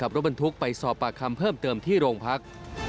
รถบรรทุกไปสอบปากคำเพิ่มเติมที่โรงพัก